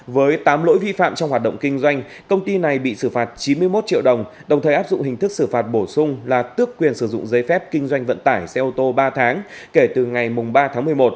với tám lỗi vi phạm trong hoạt động kinh doanh công ty này bị xử phạt chín mươi một triệu đồng đồng thời áp dụng hình thức xử phạt bổ sung là tước quyền sử dụng giấy phép kinh doanh vận tải xe ô tô ba tháng kể từ ngày ba tháng một mươi một